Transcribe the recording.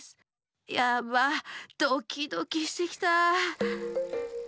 やばドキドキしてきたあ。